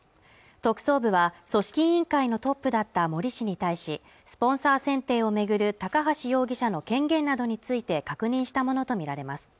特捜部は組織委員会のトップだった森氏に対しスポンサー選定を巡る高橋容疑者の権限などについて確認したものと見られます